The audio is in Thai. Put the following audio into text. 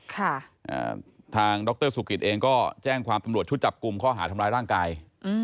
ทางดรสุกิตเองก็แจ้งความตำรวจชุดจับกลุ่มข้อหาทำร้ายร่างกาย